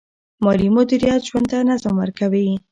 مالي مدیریت ژوند ته نظم ورکوي.